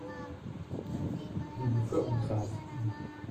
Nous vous ferons grâce, nous.